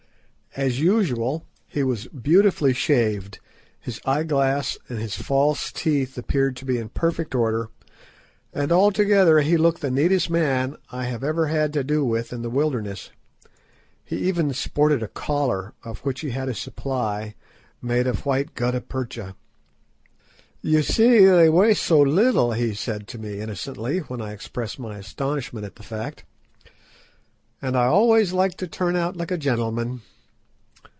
As usual, he was beautifully shaved, his eye glass and his false teeth appeared to be in perfect order, and altogether he looked the neatest man I ever had to do with in the wilderness. He even sported a collar, of which he had a supply, made of white gutta percha. "You see, they weigh so little," he said to me innocently, when I expressed my astonishment at the fact; "and I always like to turn out like a gentleman."